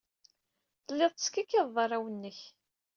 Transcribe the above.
Telliḍ teskikkiḍeḍ arraw-nnek.